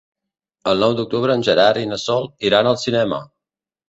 El nou d'octubre en Gerard i na Sol iran al cinema.